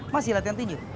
masih latihan tinju